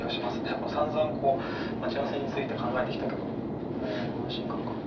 さんざん「待ち合わせ」について考えてきたけど安心感が。